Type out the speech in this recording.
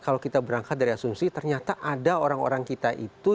kalau kita berangkat dari asumsi ternyata ada orang orang kita itu